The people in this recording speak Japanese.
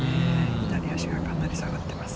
左足がかなり下がってます。